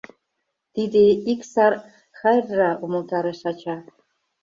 «Тиде ик сар хӓрра», — умылтарыш ача.